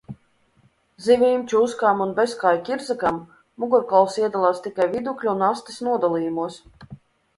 Zivīm, čūskām un bezkāju ķirzakām mugurkauls iedalās tikai vidukļa un astes nodalījumos.